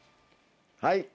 はい。